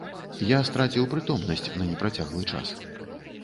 Я страціў прытомнасць на непрацяглы час.